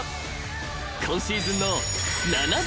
［今シーズンの］